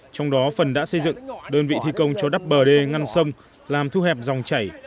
trong đó phần đã xây dựng đơn vị thi công cho đắp bờ đê ngăn sông làm thu hẹp dòng chảy